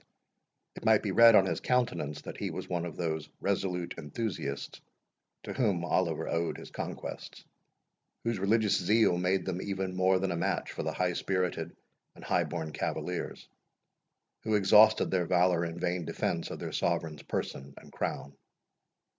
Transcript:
It might be read on his countenance, that he was one of those resolute enthusiasts to whom Oliver owed his conquests, whose religious zeal made them even more than a match for the high spirited and high born cavaliers, who exhausted their valour in vain defence of their sovereign's person and crown.